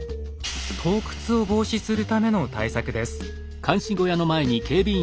盗掘を防止するための対策です。